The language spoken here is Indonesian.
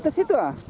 itu situ ah